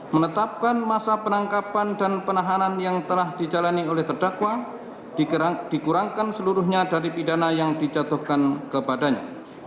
menetapkan masa penangkapan dan penahanan yang telah dijalani oleh terdakwa dikurangkan seluruhnya dari pidana yang dijatuhkan kepadanya